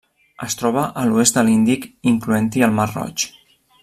Es troba a l'oest de l'Índic, incloent-hi el Mar Roig.